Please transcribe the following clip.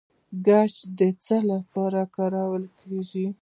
ګچ د څه لپاره کاریږي؟